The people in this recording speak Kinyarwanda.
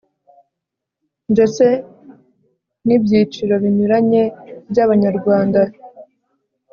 ndetse n'ibyiciro binyuranyeby'abanyarwanda